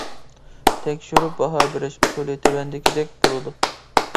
تەكشۈرۈپ باھا بېرىش ئۇسۇلى تۆۋەندىكىدەك بولىدۇ.